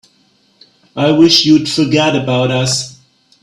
I wish you'd forget about us.